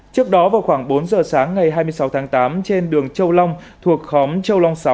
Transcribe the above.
trước đó vào khoảng bốn giờ sáng ngày hai mươi sáu tháng tám trên đường châu long thuộc khóm châu long sáu